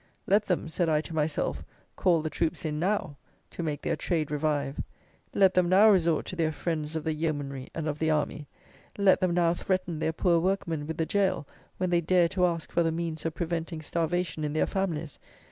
"Let them," said I to myself, "call the troops in now, to make their trade revive. Let them now resort to their friends of the yeomanry and of the army; let them now threaten their poor workmen with the gaol, when they dare to ask for the means of preventing starvation in their families.